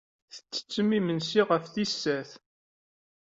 Tettettemt imensi ɣef tis sat.